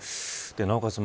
なおかつ